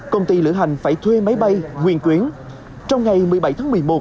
công ty lữ hành phải thuê máy bay nguyên quyến trong ngày một mươi bảy tháng một mươi một